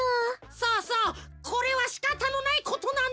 そうそうこれはしかたのないことなんだ。